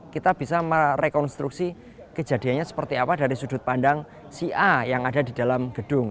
kita bisa merekonstruksi kejadiannya seperti apa dari sudut pandang si a yang ada di dalam gedung